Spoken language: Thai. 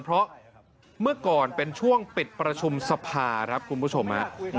เพราะเมื่อก่อนเป็นช่วงปิดประชุมสภาครับคุณผู้ชม